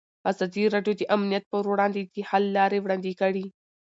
ازادي راډیو د امنیت پر وړاندې د حل لارې وړاندې کړي.